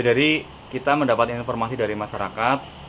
dari kita mendapat informasi dari masyarakat